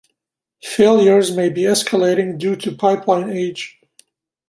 Failures may be escalating due to pipeline age.